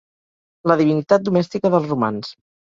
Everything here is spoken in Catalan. La divinitat domèstica dels romans.